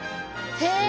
へえ！